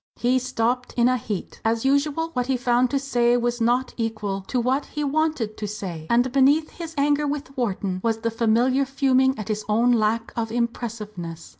He stopped in a heat. As usual what he found to say was not equal to what he wanted to say, and beneath his anger with Wharton was the familiar fuming at his own lack of impressiveness.